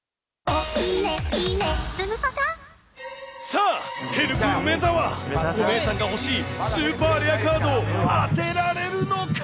さあ、ヘルプ梅澤、お姉さんが欲しいスーパーレアカードを当てられるのか。